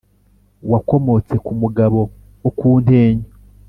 Wakomotse ku mugabo wo ku Ntenyo